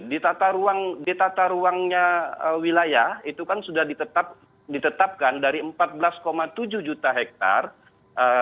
di tata ruangnya wilayah itu kan sudah ditetapkan dari empat belas tujuh juta hektare